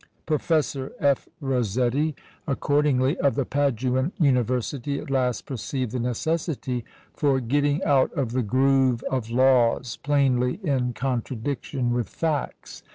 Professor F. Rosetti, accordingly, of the Paduan University, at last perceived the necessity for getting out of the groove of "laws" plainly in contradiction with facts.